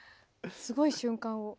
すごい瞬間を。